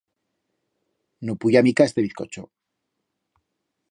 No puya mica este bizcocho.